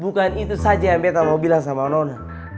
bukan itu saja yang beta mau bilang sama nono